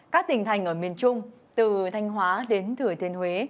các tỉnh thành ở miền trung từ thanh hóa đến thừa thiên huế